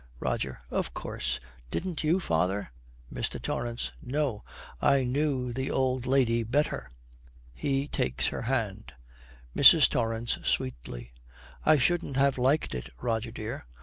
ROGER. 'Of course. Didn't you, father?' MR. TORRANCE. 'No! I knew the old lady better.' He takes her hand. MRS. TORRANCE, sweetly, 'I shouldn't have liked it, Rogie dear.